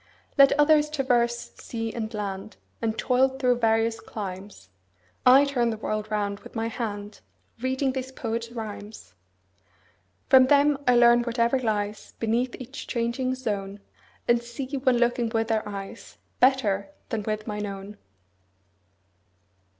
Let others traverse sea and land, And toil through various climes, 30 I turn the world round with my hand Reading these poets' rhymes. From them I learn whatever lies Beneath each changing zone, And see, when looking with their eyes, 35 Better than with mine own.